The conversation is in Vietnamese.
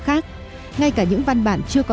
khác ngay cả những văn bản chưa có